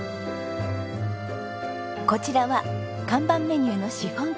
こちらは看板メニューのシフォンケーキ。